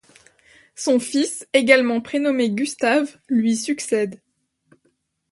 Son fils, également prénommé Gustave, lui succède.